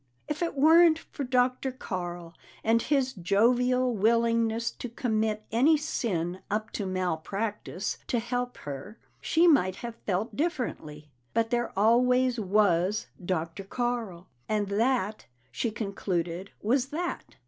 If it weren't for Dr. Carl and his jovial willingness to commit any sin up to malpractice to help her, she might have felt differently. But there always was Dr. Carl, and that, she concluded, was that.